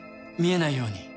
見えないように。